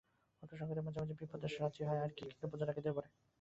অর্থসংকটে মাঝে মাঝে বিপ্রদাস রাজি হয় আর-কি, কিন্তু প্রজারা কেঁদে পড়ে।